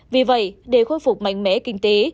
vì vậy để khôi phục mạnh mẽ kinh tế